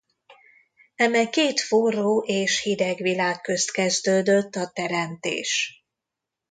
Eme két forró és hideg világ közt kezdődött a teremtés.